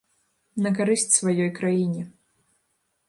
На карысць сваёй краіне.